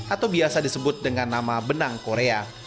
atau biasa disebut dengan nama benang korea